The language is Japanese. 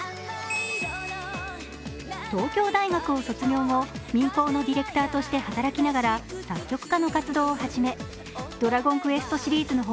東京大学を卒業後、民放のディレクターとして働きながら働きながら作曲家の活動を始め「ドラゴンクエスト」シリーズの他